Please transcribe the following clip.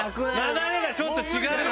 流れがちょっと違うのよ。